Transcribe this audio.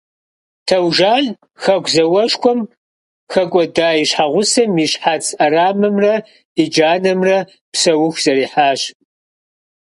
Таужан хэку зауэшхуэм хэкӏуэдэ и щхьэгъусэм и щхьэц ӏэрамэмрэ и джанэмрэ псэуху зэриыхьащ.